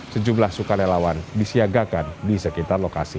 sejumlah sukarelawan disiagakan di sekitar lokasi